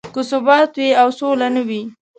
که ثبات وي او سوله نه وي.